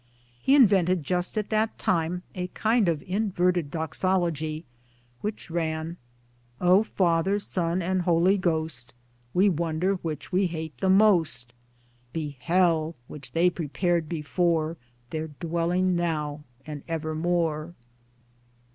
He invented just at that time a kind of inverted Doxology which ran : O Father, Son and Holy Ghost We wonder which we hate the most Be Hell, which they prepared before, Their dwelling now and evermore